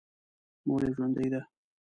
مور یې ژوندۍ ده.